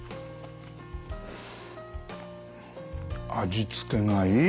味付けがいい。